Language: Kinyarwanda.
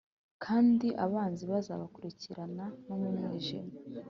kandi abanzi be azabakurikirana no mu mwijima.